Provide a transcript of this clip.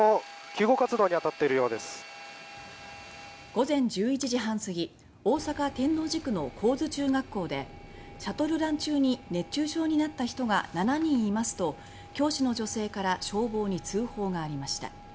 午前１１時半すぎ大阪・天王寺区の高津中学校で「シャトルラン中に熱中症になった人が７人います」と教師の女性から消防に通報がありました。